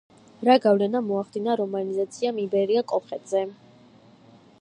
რა გავლენა მოახდიან რომანიზაციამ იბერია-კოლხეთზე?